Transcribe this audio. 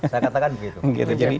saya katakan begitu